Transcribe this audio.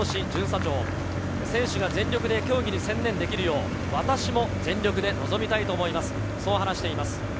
巡査長、全力で競技に専念できるよう私も全力で臨みたいと思いますと話しています。